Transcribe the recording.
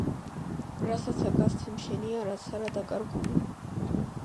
რასაცა გასცემ შენია, რაც არა დაკარგული